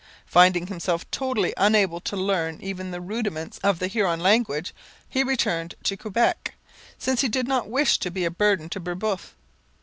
Finding himself totally unable to learn even the rudiments of the Huron language, he returned to Quebec, since he did not wish to be a burden to Brebeuf.